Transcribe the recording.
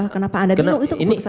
kenapa anda bingung itu keputusan